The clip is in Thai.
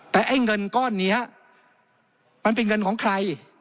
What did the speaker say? แต่ไอ้เงินก้อนนี้มันเป็นเงินของใคร